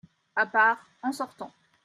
A part, en sortant.